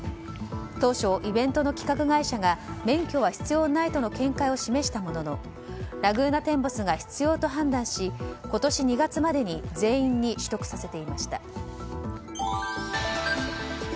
当初、イベントの企画会社が免許は必要ないとの見解を示したもののラグーナテンボスが必要と判断し今年２月までに全員に取得させていました。